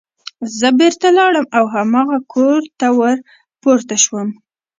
زه بېرته لاړم او هماغه کور ته ور پورته شوم